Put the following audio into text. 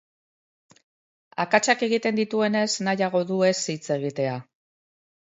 Akatsak egiten dituenez, nahiago du ez hitz egitea.